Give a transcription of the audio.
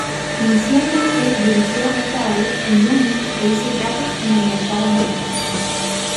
Inicialmente dirigió un cabaret en Múnich e hizo tratos en el mercado negro.